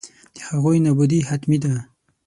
د هغوی نابودي حتمي ده.